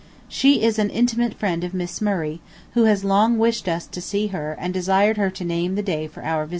She is an intimate friend of Miss Murray, who has long wished us to see her and desired her to name the day for our visit.